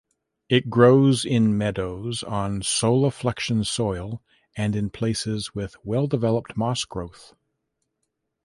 It grows in meadows, on solifluction soil, and in places with well-developed moss growth.